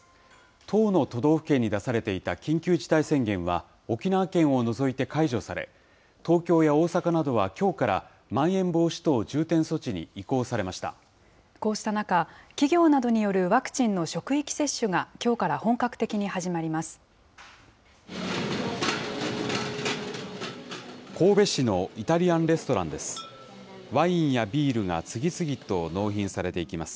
１０の都道府県に出されていた緊急事態宣言は沖縄県を除いて解除され、東京や大阪などはきょうからまん延防止等重点措置に移行されましこうした中、企業などによるワクチンの職域接種がきょうから本格的に始まります。